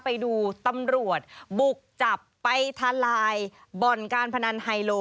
ไปดูตำรวจบุกจับไปทลายบ่อนการพนันไฮโล